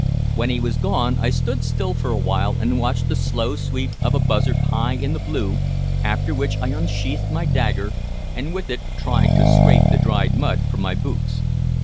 When he was gone, I stood still for a while and watched the slow sweep of a buzzard high in the blue, after which I unsheathed my dagger, and with it tried to scrape the dried mud from my boots.